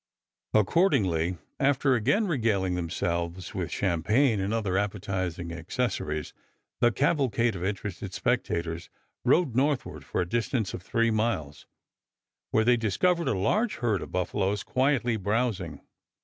Accordingly, after again regaling themselves with champagne and other appetizing accessories, the cavalcade of interested spectators rode northward for a distance of three miles, where they discovered a large herd of buffaloes quietly browsing.